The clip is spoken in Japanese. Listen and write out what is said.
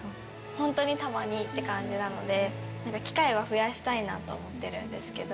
本当にたまにっていう感じなので、なんか機会は増やしたいなと思ってるんですけど。